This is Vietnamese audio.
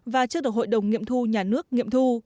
và chưa được hội đồng nghiệm thu nhà nước nghiệm thu